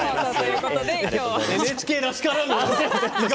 ＮＨＫらしからぬ！